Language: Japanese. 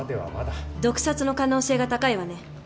毒殺の可能性が高いわね。